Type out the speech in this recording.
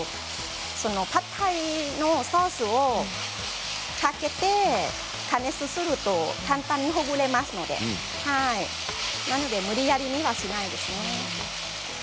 パッタイのソースをかけて加熱すると簡単にほぐれますのでなので無理やりにはしないですね。